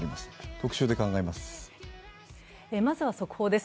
特集で考えます。